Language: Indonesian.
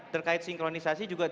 terkait sinkronisasi juga tidak ada